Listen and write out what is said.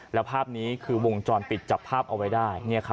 แล้วภาพนี้คือวงจรปิดจับภาพเอาไว้ได้